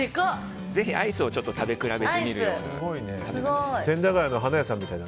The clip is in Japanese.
ぜひアイスを食べ比べてみてください。